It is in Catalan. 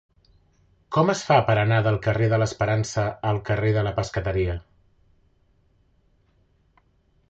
Com es fa per anar del carrer de l'Esperança al carrer de la Pescateria?